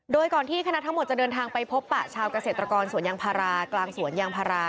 โดยก่อนที่คณะทั้งหมดจะเดินทางไปพบปะชาวเกษตรกรสวนยางพารากลางสวนยางพารา